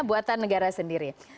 buatan negara sendiri